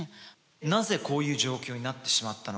なぜこういう状況になってしまったのか。